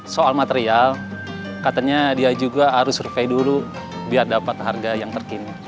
soal material katanya dia juga harus survei dulu biar dapat harga yang terkini